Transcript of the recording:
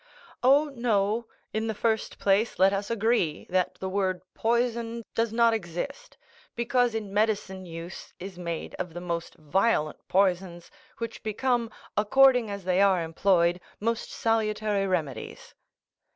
"Oh, no! In the first place, let us agree that the word poison does not exist, because in medicine use is made of the most violent poisons, which become, according as they are employed, most salutary remedies."